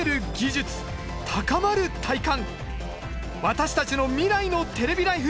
私たちの未来のテレビライフ